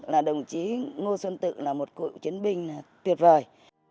là đồng chí ngô xuân tự là một cựu chiến binh tuyệt vời